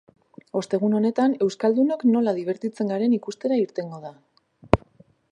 Ostegun honetan, euskaldunok nola dibertitzen garen ikustera irtengo da.